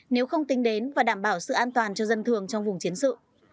nếu không tính đến và đảm bảo sự an toàn cho dân thường trong vùng chiến sự